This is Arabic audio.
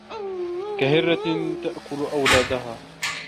كهرة تأكل أولادها